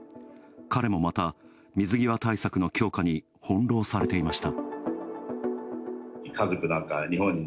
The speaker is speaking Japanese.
彼もまた、水際対策の強化に翻弄されていました。